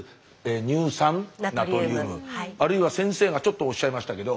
乳酸ナトリウムあるいは先生がちょっとおっしゃいましたけど。